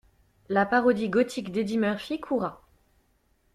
La parodie gothique d'Eddie Murphy courra.